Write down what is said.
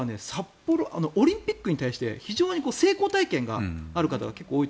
オリンピックに対して非常に成功体験がある方が結構多い。